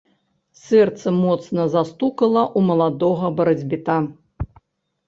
Сэрца моцна застукала ў маладога барацьбіта.